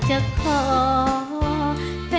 ท่างครอบครั้งล่ะ